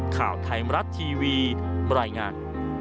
ข่าวไทยมรัฐทีวีบรรยายงาน